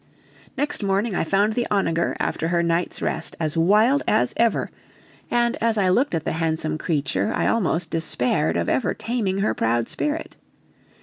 Next morning I found the onager after her night's rest as wild as ever, and as I looked at the handsome creature I almost despaired of ever taming her proud spirit.